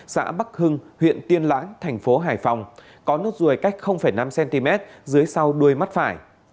xã bắc hưng huyện tiên lãng thành phố hải phòng có nốt ruồi cách năm cm dưới sau đuôi mắt phải